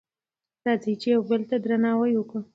راځئ چې یو بل ته درناوی وکړو.